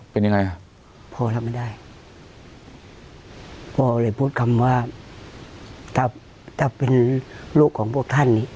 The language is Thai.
เป็นยังไงฮะพ่อรับไม่ได้พ่อเลยพูดคำว่าถ้าถ้าเป็นลูกของพวกท่านนี้